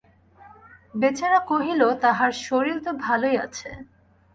বেহারা কহিল, তাঁহার শরীর তো ভালোই আছে।